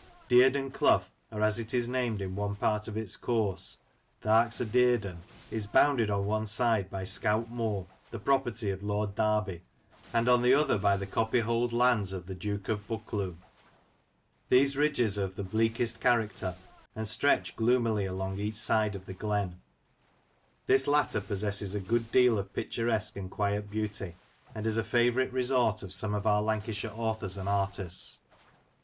Dearden Clough, or as it is named in one part of its course, " Th' Arks o' Dearden," is bounded on one side by Scout Moor, the property of Lord Derby, and on the other by the copyhold lands of the Duke of Buccleuch. These ridges aire of the bleakest character, and stretch gloomily along each side of the glea This latter possesses a good H 98 Lancashire Characters and Places, deal of picturesque and quiet beauty, and is a favourite resort of some of our Lancashire authors and artists.